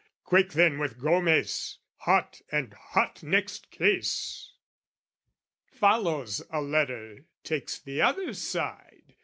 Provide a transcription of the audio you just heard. "Quick then with Gomez, hot and hot next case!" Follows, a letter, takes the other side.